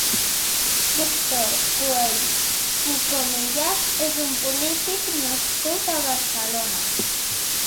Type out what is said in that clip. Víctor Cullell i Comellas és un polític nascut a Barcelona.